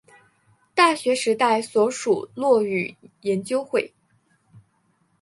大学时代所属落语研究会。